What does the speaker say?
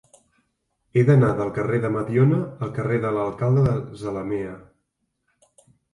He d'anar del carrer de Mediona al carrer de l'Alcalde de Zalamea.